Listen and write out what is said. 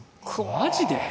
マジで？